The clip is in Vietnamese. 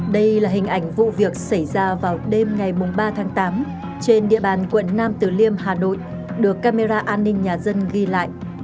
đây là hình ảnh vụ việc xảy ra vào đêm ngày ba tháng tám trên địa bàn quận nam tử liêm hà nội được camera an ninh nhà dân ghi lại